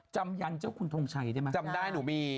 ยันเจ้าคุณทงชัยได้ไหมจำได้หนูมี